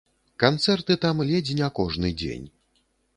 Канцэрты там ледзь не кожны дзень.